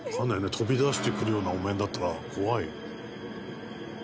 飛び出してくるようなお面だったら怖いよ。